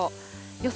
予想